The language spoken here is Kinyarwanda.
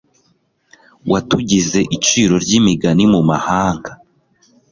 watugize iciro ry'imigani mu mahanga